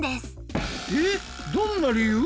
えっどんな理由！？